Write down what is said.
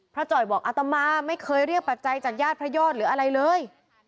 จ่อยบอกอัตมาไม่เคยเรียกปัจจัยจากญาติพระยอดหรืออะไรเลย